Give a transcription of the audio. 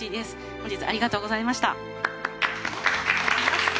本日ありがとうございました。